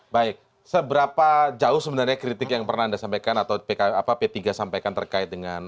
baik seberapa jauh sebenarnya kritik yang pernah anda sampaikan atau p tiga sampaikan terkait dengan